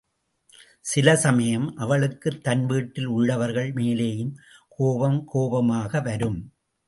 சில சமயம் அவளுக்குத் தன் வீட்டில் உள்ளவர்கள் மேலேயே கோபம் கோபமாக வரும்.